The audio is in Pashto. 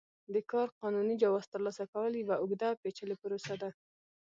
د کار قانوني جواز ترلاسه کول یوه اوږده پېچلې پروسه ده.